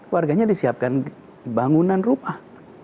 warganya disiapkan bangunan rumah